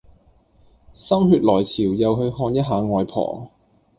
心血來潮又去看一下外婆